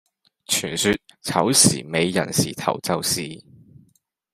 傳說丑時尾寅時頭就是